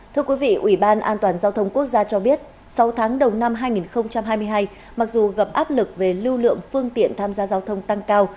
thưa quý vị ủy ban an toàn giao thông quốc gia cho biết sáu tháng đầu năm hai nghìn hai mươi hai mặc dù gặp áp lực về lưu lượng phương tiện tham gia giao thông tăng cao